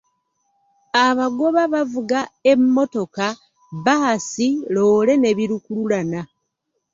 Abagoba bavuga emmotoka, bbaasi, loole ne bi lukululana.